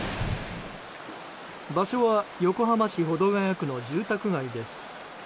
場所は横浜市保土ケ谷区の住宅街です。